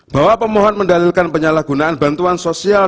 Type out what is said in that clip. bahwa pemohon mendalilkan penyalahgunaan bantuan sosial